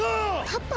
パパ？